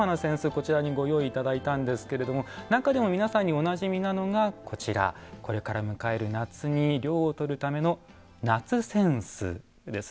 こちらにご用意いただいたんですけれども中でも皆さんにおなじみなのがこれから迎える夏に涼をとるための、夏扇子です。